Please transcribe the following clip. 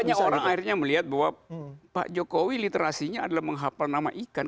banyak orang akhirnya melihat bahwa pak jokowi literasinya adalah menghapal nama ikan